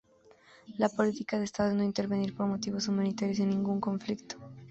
La política de estado es no intervenir por motivos humanitarios en ningún conflicto.